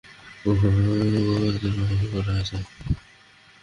সংঘর্ষে আহত পাঁচজন শিক্ষার্থীকে বরিশাল শেরেবাংলা মেডিকেল কলেজ হাসপাতালে ভর্তি করা হয়েছে।